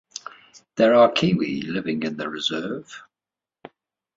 There are kiwi living in the reserve.